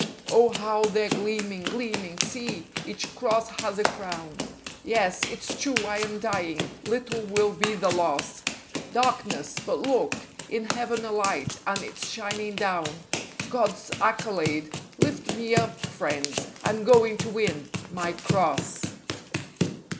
Oh, how they're gleaming, gleaming! See! Each cross has a crown. Yes, it's true I am dying; little will be the loss. ... Darkness ... but look! In Heaven a light, and it's shining down. ... God's accolade! Lift me up, friends. I'm going to win _MY CROSS.